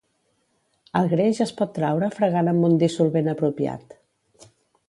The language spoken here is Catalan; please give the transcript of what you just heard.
El greix es pot traure fregant amb un dissolvent apropiat.